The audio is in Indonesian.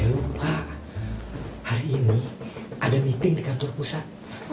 lupa hari ini ada meeting di kantor pusat